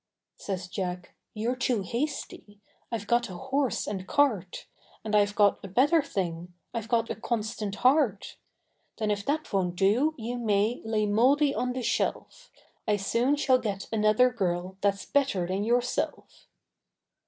Says Jack, youâre too hasty, Iâve got a horse and cart, And Iâve got a better thing, Iâve got a constant heart; Then if that wonât do, you may Lay mouldy on the shelf, I soon shall get another girl, Thatâs better than yourself.